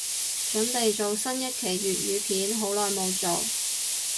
凖備做新一期粤語片，好耐無做